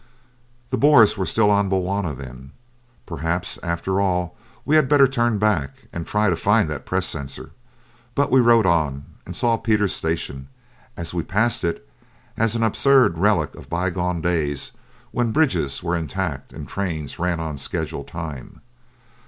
The Boers were still on Bulwana then? Perhaps, after all, we had better turn back and try to find that press censor. But we rode on and saw Pieter's Station, as we passed it, as an absurd relic of by gone days when bridges were intact and trains ran on schedule time.